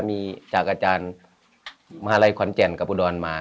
มีจากอาจารย์มหาลัยขอนแก่นกับอุดรมา